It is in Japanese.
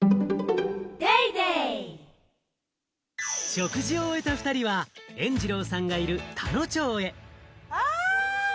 食事を終えた２人は、えんじろうさんがいる田野町へ。